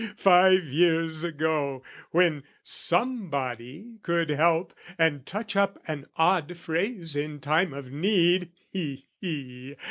"Five years ago, when somebody could help "And touch up an odd phrase in time of need, "(He, he!)